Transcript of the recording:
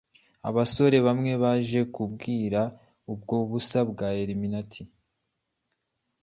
Abasore bamwe baje kumbwira ubwo busa bwa Illuminati,